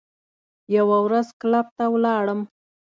یوه ورځ کلب ته ولاړم.